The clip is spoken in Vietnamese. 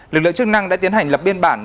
lực lượng chức năng đã tiến hành lập biên bản